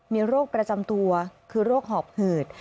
มีโรคประจำตัวคือโรคหอบหืด